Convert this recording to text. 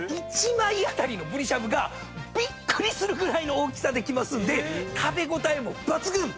１枚当たりのぶりしゃぶがびっくりするぐらいの大きさで来ますんで食べ応えも抜群！